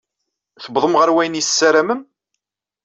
Tewwḍem ɣer wayen i tessaramem?